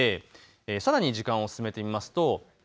さらに時間を進めます。